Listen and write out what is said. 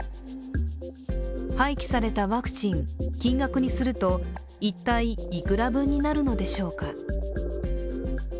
廃棄されたワクチン、金額にすると一体いくら分になるのでしょうか。